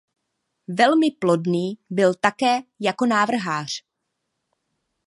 Velmi plodný byl také jako návrhář.